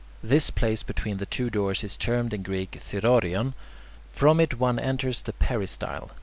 This place between the two doors is termed in Greek [Greek: thyroreion]. From it one enters the peristyle.